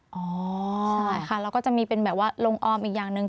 ใช่ค่ะแล้วก็จะมีเป็นแบบว่าลงออมอีกอย่างหนึ่ง